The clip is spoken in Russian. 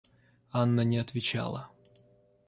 Анна не отвечала.